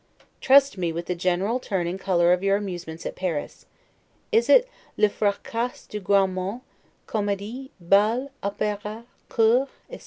Trust me with the general turn and color of your amusements at Paris. Is it 'le fracas du grand monde, comedies, bals, operas, cour,' etc.?